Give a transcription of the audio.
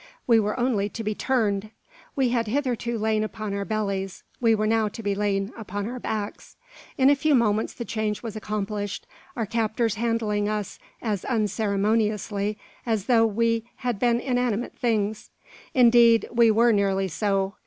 We were only to be "turned." We had hitherto lain upon our bellies; we were now to be laid upon our backs. In a few moments the change was accomplished, our captors handling us as unceremoniously as though we had been inanimate things. Indeed we were nearly so.